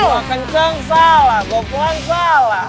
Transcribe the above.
buceng salah goplan salah